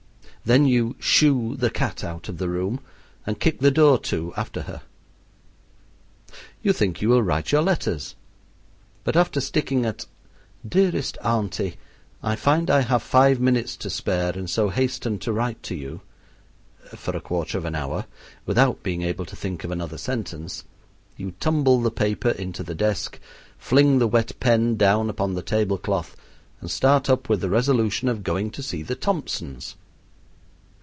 Then you "shoo" the cat out of the room and kick the door to after her. You think you will write your letters, but after sticking at "Dearest Auntie: I find I have five minutes to spare, and so hasten to write to you," for a quarter of an hour, without being able to think of another sentence, you tumble the paper into the desk, fling the wet pen down upon the table cloth, and start up with the resolution of going to see the Thompsons.